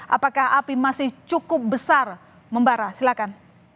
apakah api masih cukup besar membara silahkan